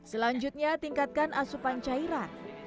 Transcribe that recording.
selanjutnya tingkatkan asupan cairan